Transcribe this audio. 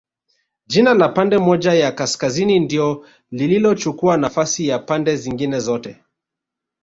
Jina la pande moja ya Kaskazini ndio lililochukua nafasi ya pande zingine zote